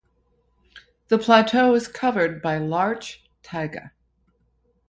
The plateau is covered by larch taiga.